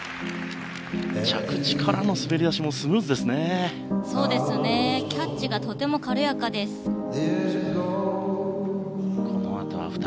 着地からの滑り出しもスムーズでした。